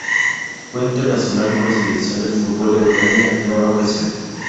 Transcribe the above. Fue internacional con la selección de fútbol de Ucrania en una ocasión.